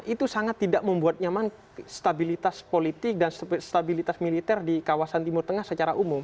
itu sangat tidak membuat nyaman stabilitas politik dan stabilitas militer di kawasan timur tengah secara umum